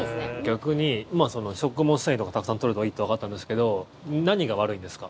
逆に、食物繊維とかたくさん取るのがいいってわかったんですけど何が悪いんですか？